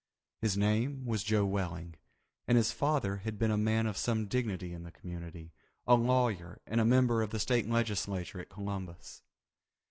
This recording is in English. His name was Joe Welling, and his father had been a man of some dignity in the community, a lawyer, and a member of the state legislature at Columbus.